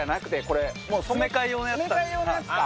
詰め替え用のやつか。